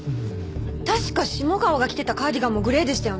確か下川が着てたカーディガンもグレーでしたよね。